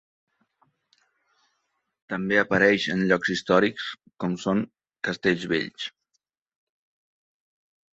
També apareix en llocs històrics, com són castells vells.